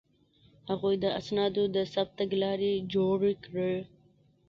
هغوی د اسنادو د ثبت تګلارې جوړې کړې.